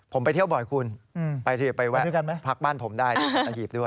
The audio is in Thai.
ผมไปเที่ยวบ่อยคุณไปแวะพักบ้านผมได้ที่สัตหีบด้วย